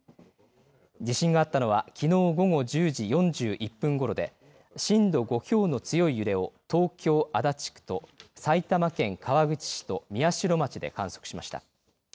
地震があったのは、きのう午後１０時４１分ごろで震度５強の強い揺れを東京、足立区と埼玉県川口市と宮代町で観測しました。